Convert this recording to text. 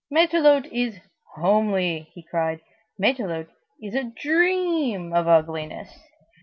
"Matelote is homely!" he cried: "Matelote is of a dream of ugliness!